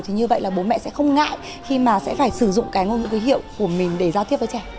thì như vậy là bố mẹ sẽ không ngại khi mà sẽ phải sử dụng cái ngôn ngữ ký hiệu của mình